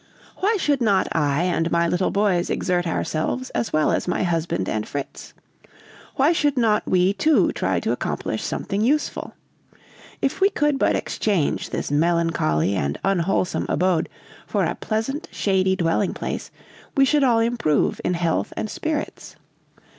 Why should not I and my little boys exert ourselves as well as my husband and Fritz? Why should not we too try to accomplish something useful? If we could but exchange this melancholy and unwholesome abode for a pleasant, shady dwelling place, we should all improve in health and spirits.